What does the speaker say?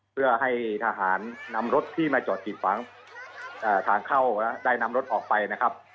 เพื่อให้ทหารนำรถที่มาจอดกิดขวางทางเข้าและได้นำรถออกไปนะครับ